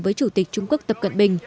với chủ tịch trung quốc tập cận bình